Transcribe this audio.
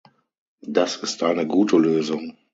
Das ist eine gute Lösung.